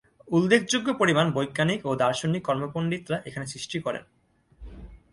উল্লেখযোগ্য পরিমাণ বৈজ্ঞানিক ও দার্শনিক কর্ম পণ্ডিতরা এখানে সৃষ্টি করেন।